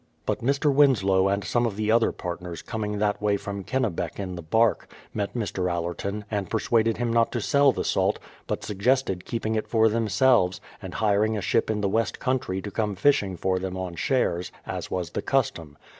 But Mr. Winslow and some of the other partners coming that way from Kennebec in the bark, met Mr. Allerton, and persuaded him not to sell the salt, but suggested keeping it for themselves, and hiring a ship in the west countiy to come fishing for them on shares, as was the custom.